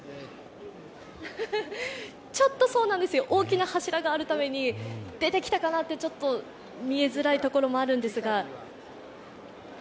ちょっと、そうなんですよ、大きな柱があるために、出てきたかなとちょっと見えづらいところもあるんですが。